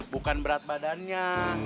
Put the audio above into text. bukan berat badannya